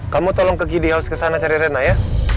kamu tolong ke gide house kesana cari renna ya